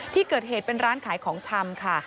ที่เกิดเหตุเป็นร้านขายของชำค่ะ